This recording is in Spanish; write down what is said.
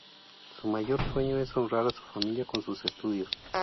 Su mayor sueño es honrar a su familia con sus estudios.